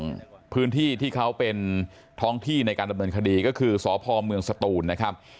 พื้นที่ที่เขาเป็นท้องที่ในการดำเนินคดีก็คือสพเมืองสตูนนะครับ